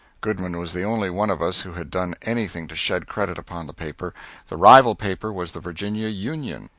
Goodman was the only one of us who had done anything to shed credit upon the paper. The rival paper was the Virginia "Union."